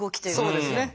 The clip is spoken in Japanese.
そうですね。